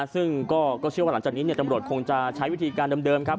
ซึ่งก็เชื่อว่าหลังจากนี้ตำรวจคงจะใช้วิธีการเดิมครับ